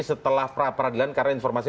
setelah perapradilan karena informasi